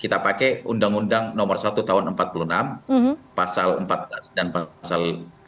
kita pakai undang undang nomor satu tahun seribu sembilan ratus empat puluh enam pasal empat belas dan pasal